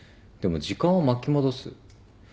でも時間を巻き戻す。